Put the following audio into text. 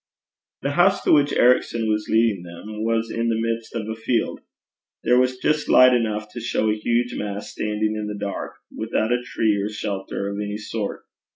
The house to which Ericson was leading them was in the midst of a field. There was just light enough to show a huge mass standing in the dark, without a tree or shelter of any sort.